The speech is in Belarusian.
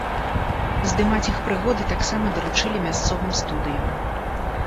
Здымаць іх прыгоды таксама даручылі мясцовым студыям.